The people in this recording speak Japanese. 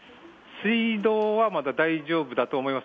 水道はまだ大丈夫だと思います。